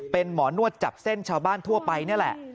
เป็นหมอนวดจับเส้นชาวบ้านทั่วไปนี่แหละ